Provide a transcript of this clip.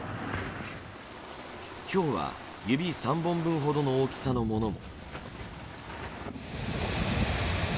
ひょうは指３本分ほどの大きさのものも。